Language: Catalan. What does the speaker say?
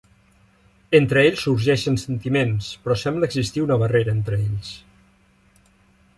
Entre ells sorgeixen sentiments, però sembla existir una barrera entre ells.